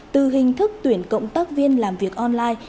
từ hình thức tuyển cộng tác viên làm việc online